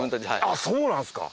あっそうなんですか！